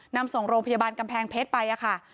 นำส่งโรงพยาบาลกำแพงเพชรไปค่ะ